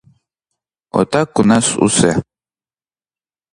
Отак у нас усе!